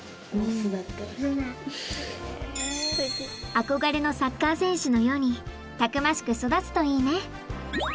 憧れのサッカー選手のようにたくましく育つといいね。